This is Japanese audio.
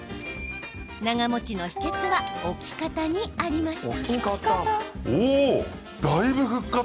長もちの秘けつは置き方にありました。